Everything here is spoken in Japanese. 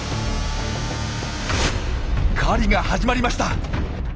狩りが始まりました！